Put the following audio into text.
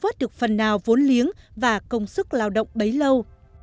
không biết được phần nào vốn liếng và công sức lao động bấy lâu